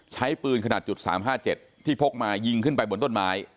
ใช้ปืนขนาด๓๕๗ที่พกมายิงขึ้นไปบนต้นไม้